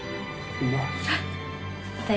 うまい。